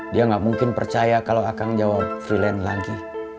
dia gak mungkin percaya kalau akan jawab freeland lagi